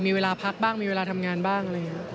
มีเวลาพักบ้างมีเวลาทำงานบ้าง